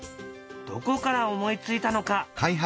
どこから思いついたのか。